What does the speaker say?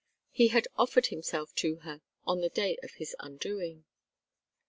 He had offered himself to her on the day of his undoing.